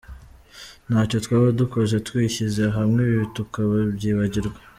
Ntacyo twaba dukoze twishyize hamwe ibi tukabyibagirwa.